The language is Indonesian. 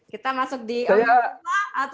kita masuk di omnibus law atau